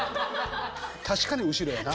確かに後ろやな。